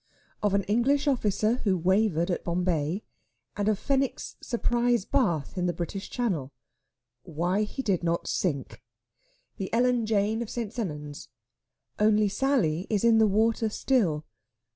OF AN ENGLISH OFFICER WHO WAVERED AT BOMBAY, AND OF FENWICK'S SURPRISE BATH IN THE BRITISH CHANNEL. WHY HE DID NOT SINK. THE ELLEN JANE OF ST. SENNANS. ONLY SALLY IS IN THE WATER STILL.